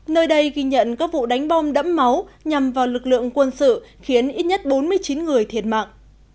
nơi đây ghi nhận các vụ đánh bom đẫm máu nhằm vào lực lượng quân sự khiến ít nhất bốn mươi chín người thiệt mạng